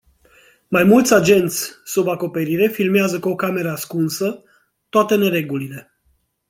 Mai mulți agenți sub acoperire filmează cu o cameră ascunsă, toate neregulile.